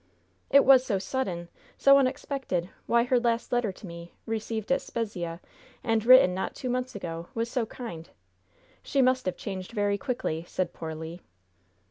"It was so sudden, so unexpected! Why, her last letter to me, received at Spezzia, and written not two months ago, was so kind! She must have changed very quickly," said poor Le.